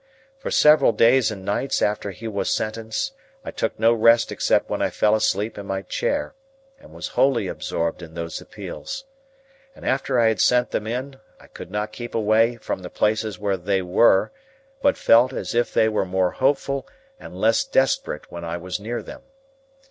For several days and nights after he was sentenced I took no rest except when I fell asleep in my chair, but was wholly absorbed in these appeals. And after I had sent them in, I could not keep away from the places where they were, but felt as if they were more hopeful and less desperate when I was near them.